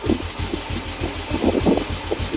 全海笋属为海螂目鸥蛤科下的一个属。